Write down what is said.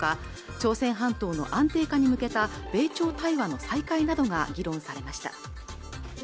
朝鮮半島の安定化に向けた米朝対話の再開などが議論されました